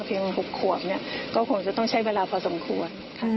เพียง๖ขวบคงจะต้องใช้เวลาพอสมควร